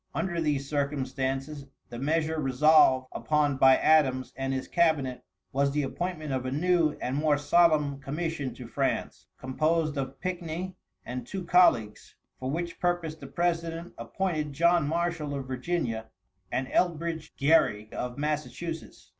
Under these circumstances, the measure resolved upon by Adams and his cabinet was the appointment of a new and more solemn commission to France, composed of Pickney and two colleagues, for which purpose the President appointed John Marshall of Virginia, and Elbridge Gerry of Massachusetts.